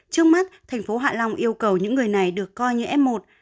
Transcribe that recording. trước mắt thành phố hạ long yêu cầu những người này được coi như f một